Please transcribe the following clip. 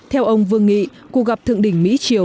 theo ông vương nghị cuộc gặp thượng đỉnh mỹ triều